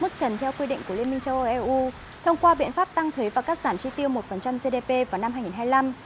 mức trần theo quy định của liên minh châu âu eu thông qua biện pháp tăng thuế và cắt giảm chi tiêu một gdp vào năm hai nghìn hai mươi năm